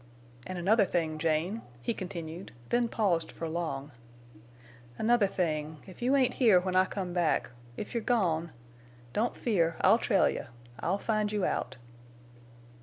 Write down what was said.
"An' another thing, Jane," he continued, then paused for long—"another thing—if you ain't here when I come back—if you're gone—don't fear, I'll trail you—I'll find you out."